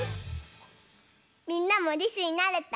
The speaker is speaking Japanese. みんなもりすになれた？